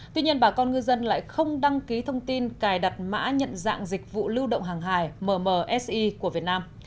tuy nhiên bà con ngư dân lại không đăng ký thông tin cài đặt mã nhận dạng dịch vụ lưu động hàng hài msi của việt nam